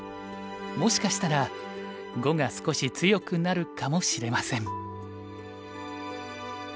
もしかしたら碁が少し強くなるかもしれません。